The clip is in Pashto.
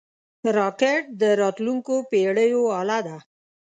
راکټ د راتلونکو پېړیو اله ده